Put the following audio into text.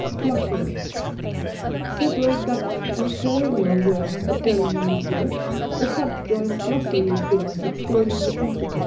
Glossary. Several Dutch and Colonial words occurring in this work, the subjoined Glossary is given, explaining the principal.